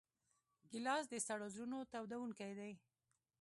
ګیلاس د سړو زړونو تودوونکی دی.